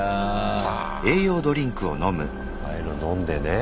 あああいうの飲んでね。